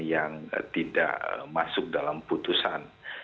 yang tidak masuk dalam putusan